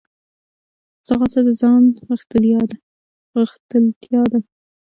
ځغاسته د ځان غښتلتیا ده